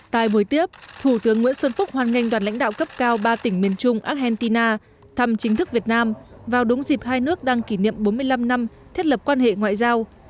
tại buổi tiếp thủ tướng nguyễn xuân phúc hoan nghênh đoàn lãnh đạo cấp cao ba tỉnh miền trung argentina thăm chính thức việt nam vào đúng dịp hai nước đang kỷ niệm bốn mươi năm năm thiết lập quan hệ ngoại giao